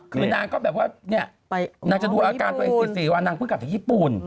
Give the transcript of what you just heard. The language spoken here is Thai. คือนางก็แบบว่าเนี่ยนางจะดูอาการตัวเอง๑๔วันนางเพิ่งกลับจากญี่ปุ่น